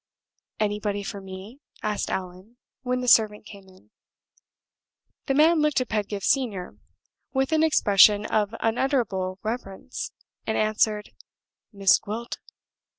"Anybody for me?" asked Allan, when the servant came in. The man looked at Pedgift Senior, with an expression of unutterable reverence, and answered, "Miss Gwilt."